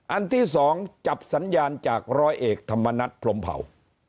อันที่๒จับสัญญาณจากร้อยเอกธรรมนัฐพรมเผา